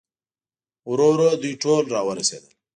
ورو ورو دوی ټول راورسېدل.